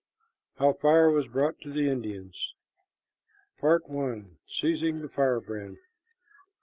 HOW FIRE WAS BROUGHT TO THE INDIANS. PART I. SEIZING THE FIREBRAND.